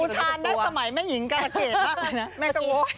อุทานนักสมัยแม่หญิงกรรเกตภักดิ์นะแม่จัวโว้